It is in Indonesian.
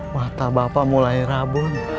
mata bapak mulai rabun